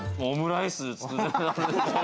オムライス？